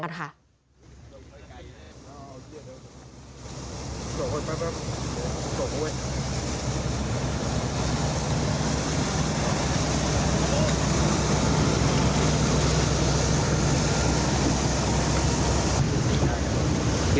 เก็บจากเวลาแล้ว